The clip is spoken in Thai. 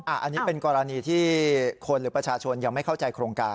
อันนี้เป็นกรณีที่คนหรือประชาชนยังไม่เข้าใจโครงการ